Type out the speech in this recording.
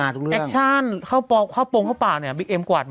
แอคชั่นเข้าโปรงเข้าปากเนี่ยบิ๊กเอ็มกวาดหมด